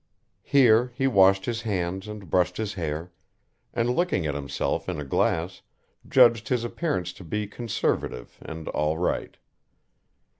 Here he washed his hands and brushed his hair, and looking at himself in a glass judged his appearance to be conservative and all right.